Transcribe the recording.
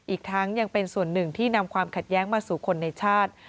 อีกทั้งยังเป็นส่วนหนึ่งที่นำความขัดแย้งมาสู่คนในชาติ